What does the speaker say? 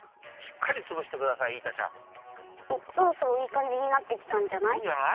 そろそろいいかんじになってきたんじゃない？